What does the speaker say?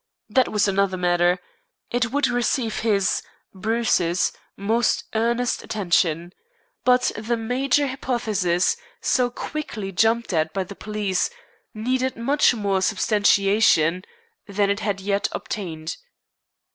That was another matter. It would receive his (Bruce's) most earnest attention. But the major hypothesis, so quickly jumped at by the police, needed much more substantiation than it had yet obtained.